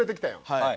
はい。